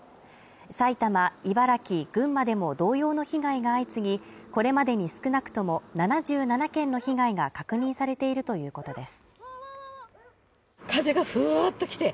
埼玉、茨城、群馬でも同様の被害が相次ぎ、これまでに少なくとも７７件の被害が確認されているということです。